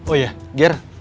oh ya ger